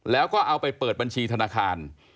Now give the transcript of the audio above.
แล้วก็เอาไปเปิดบัญชีธนาคาร